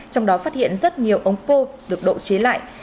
trong đó phát hiện rất nhiều ống pô được độ chế lại